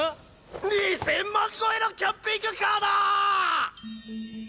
２０００万超えのキャンピングカーだ！